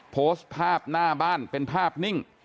โพสต์ภาพหน้าบ้านเป็นภาพนิ่ง